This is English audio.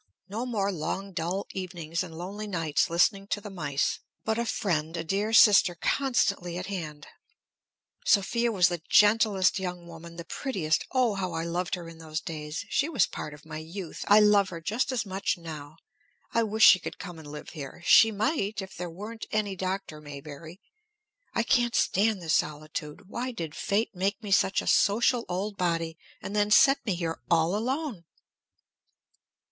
No more long, dull evenings and lonely nights listening to the mice. But a friend, a dear sister, constantly at hand! Sophia was the gentlest young woman, the prettiest, oh, how I loved her in those days! She was a part of my youth. I love her just as much now. I wish she could come and live here. She might, if there weren't any Dr. Maybury. I can't stand this solitude. Why did fate make me such a social old body, and then set me here all alone?"